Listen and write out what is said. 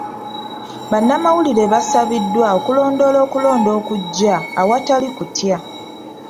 Bannamawulire basabiddwa okulondoola okulonda okujja awatali kutya.